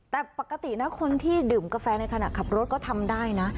แต่ปกตินะคนที่ดื่มกาแฟในขณะขับรถก็ทำได้นะ